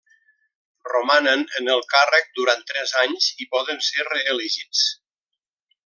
Romanen en el càrrec durant tres anys i poden ser reelegits.